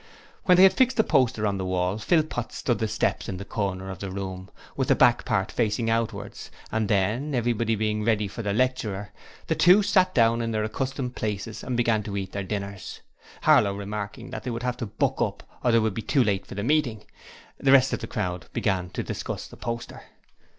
When they had fixed the poster on the wall, Philpot stood the steps in the corner of the room, with the back part facing outwards, and then, everything being ready for the lecturer, the two sat down in their accustomed places and began to eat their dinners, Harlow remarking that they would have to buck up or they would be too late for the meeting; and the rest of the crowd began to discuss the poster.